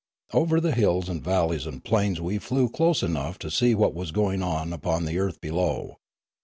Over the hills and valleys and plains we flew close enough to see what was going on upon the earth below.